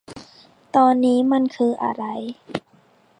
ตอนนี้มันคืออะไร